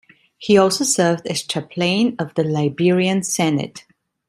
He also served as Chaplain of the Liberian Senate.